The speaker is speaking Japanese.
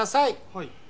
はい。